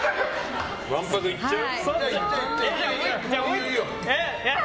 わんぱく、いっちゃう？